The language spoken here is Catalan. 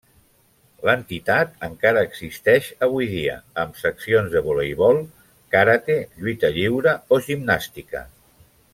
L'entitat encara existeix avui dia amb seccions de voleibol, karate, lluita lliure o gimnàstica.